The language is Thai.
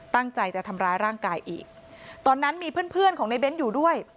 ตั้งใจจะทำร้ายร่างกายอีกตอนนั้นมีเพื่อนเพื่อนของในเน้นอยู่ด้วย